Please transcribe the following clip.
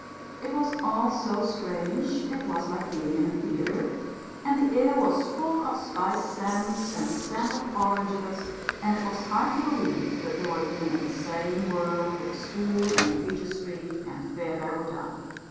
It was all so strange, it was like being in a theatre, and the air was full of spice scents and the scent of oranges; and it was hard to believe that they were even in the same world with school and Peter Street and Fairbarrow Down.